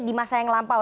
di masa yang lampau